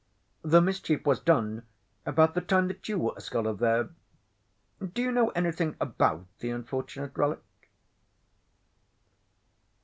The mischief was done about the time that you were a scholar there. Do you know any thing about the unfortunate relic?